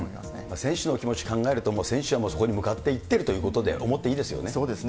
選手の気持ち考えると、もう選手はそこに向かっていっているということで、思っていいでそうですね。